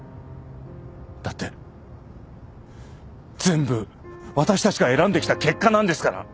だって全部私たちが選んできた結果なんですから。